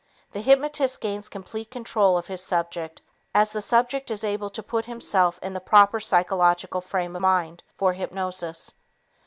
The hypnotist gains complete control of his subject as the subject is able to put himself in the proper psychological frame of mind for hypnosis.